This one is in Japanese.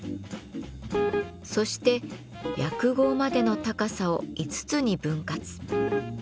そして白毫までの高さを５つに分割。